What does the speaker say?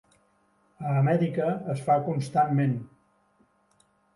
A Amèrica es fa constantment.